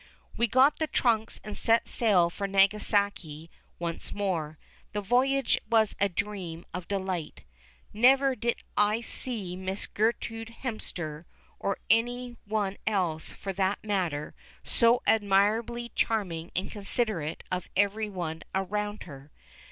We got the trunks and set sail for Nagasaki once more. The voyage was a dream of delight. Never did I see Miss Gertrude Hemster, or any one else for that matter, so admirably charming and considerate of everyone around her.